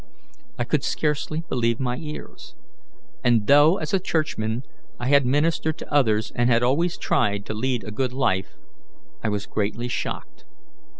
I could scarcely believe my ears; and though, as a Churchman, I had ministered to others and had always tried to lead a good life, I was greatly shocked.